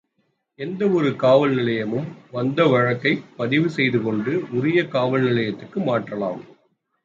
எந்த ஒரு காவல் நிலையமும் வந்த வழக்கைப் பதிவு செய்து கொண்டு உரிய காவல் நிலையத்திற்கு மாற்றலாம்.